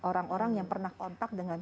orang orang yang pernah kontak dengan